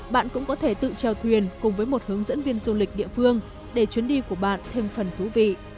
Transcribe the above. bạn cũng có thể tự trèo thuyền cùng với một hướng dẫn viên du lịch địa phương để chuyến đi của bạn thêm phần thú vị